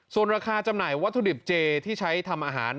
ส่วนราคาจำหน่ายวัตถุดิบเจที่ใช้ทำอาหาร